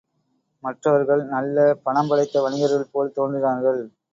மற்றவர்கள், நல்ல பணம் படைத்த வணிகர்கள் போல் தோன்றினார்கள்.